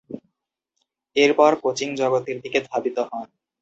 এরপর, কোচিং জগতের দিকে ধাবিত হন।